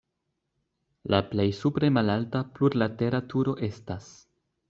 La plej supre malalta plurlatera turo estas.